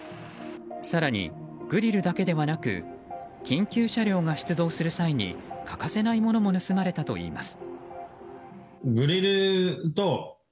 更に、グリルだけではなく緊急車両が出動する際に欠かせないものも盗まれたといいます。